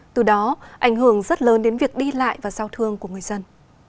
từ đó ảnh hưởng rất lớn đến việc đi lại và giao thương của người dân